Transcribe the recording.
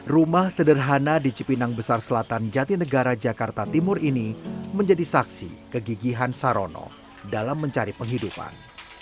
rumah sederhana di cipinang besar selatan jatinegara jakarta timur ini menjadi saksi kegigihan sarono dalam mencari penghidupan